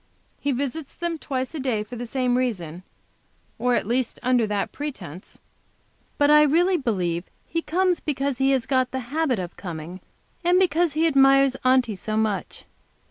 He visits them twice a day for the same reason, or at least under that pretense, but I really believe he comes because he has got the habit of coming, and because he admires Aunty so much.